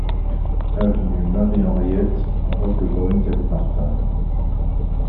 Avenue Marie Henriette, Roquebrune-Cap-Martin